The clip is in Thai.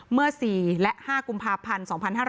เมื่อ๔และ๕กุมภาพันธ์๒๕๕๙